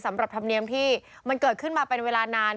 มันเกิดขึ้นมาเป็นเวลานาน